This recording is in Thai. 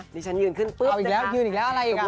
ดิฉันยืนขึ้นปุ๊บเอาอีกแล้วยืนอีกแล้วอะไรอีกอ่ะ